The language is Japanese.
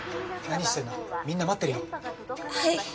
何してんのみんな待ってはい。